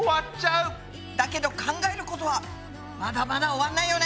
だけど考えることはまだまだ終わんないよね！